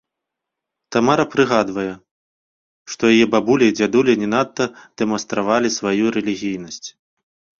Тамара прыгадвае, што яе бабулі і дзядулі не надта дэманстравалі сваю рэлігійнасць.